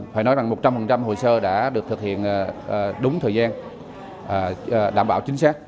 phải nói rằng một trăm linh hồ sơ đã được thực hiện đúng thời gian đảm bảo chính xác